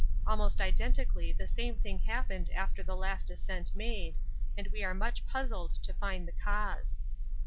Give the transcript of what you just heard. Almost identically the same thing happened after the last ascent made, and we are much puzzled to find the cause.